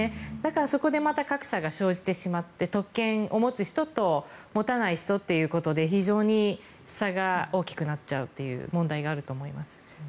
そこでまた格差が生じてしまって特権を持つ人と持たない人ということで非常に差が大きくなっちゃうという問題があると思います。